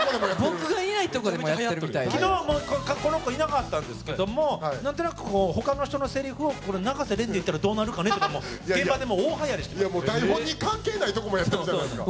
僕がいないとこでもやってるみたいで昨日はこのコいなかったんですけどもなんとなくこう他の人のセリフをこれ永瀬廉で言ったらどうなるかねとか現場で大はやりしてます台本に関係ないとこもやってるじゃないですか